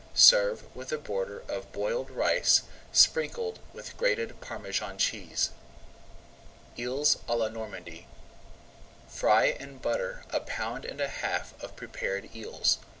Serve with a border of boiled rice sprinkled with grated Parmesan cheese. [Page 118] EELS À LA NORMANDY Fry in butter a pound and a half of prepared eels.